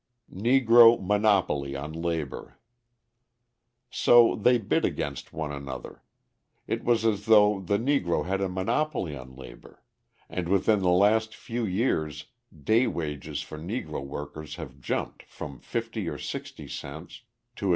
Negro Monopoly on Labour So they bid against one another it was as though the Negro had a monopoly on labour and within the last few years day wages for Negro workers have jumped from fifty or sixty cents to $1.